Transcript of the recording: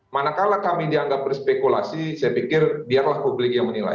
manakala kami dianggap berspekulasi saya pikir biarlah publik yang menilai